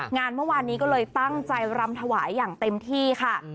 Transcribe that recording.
งานเมื่อวานนี้ก็เลยตั้งใจรำถวายอย่างเต็มที่ค่ะ